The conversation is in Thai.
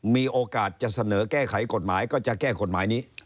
มีโอกาสจะเสนอแก้ไขกฎหมายก็จะแก้กฎหมายนี้